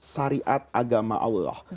syariat agama allah